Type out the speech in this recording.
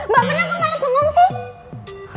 mbak mana gue malah bengong sih